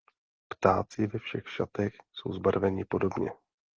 Ptáci ve všech šatech jsou zbarveni podobně.